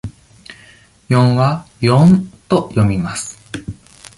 「四」は「よん」と読みます。